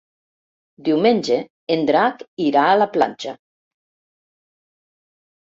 Diumenge en Drac irà a la platja.